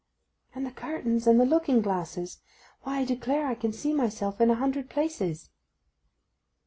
'And the curtains and the looking glasses: why I declare I can see myself in a hundred places.